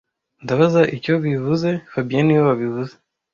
Ndabaza icyo bivuze fabien niwe wabivuze